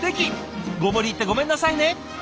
ご無理言ってごめんなさいね。